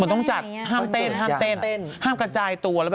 หมดต้องจัดห้ามเต้นห้ามกระจายตัวแล้วแบบ